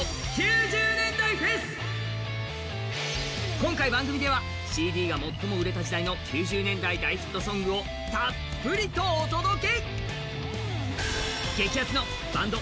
今回、番組ではＣＤが最も売れた時代の９０年代大ヒットソングをたっぷりとお届け！